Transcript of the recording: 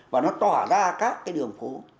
và nó tỏa ra các cái đường phố